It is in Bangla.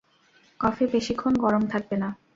কফি বেশিক্ষণ গরম থাকবে না।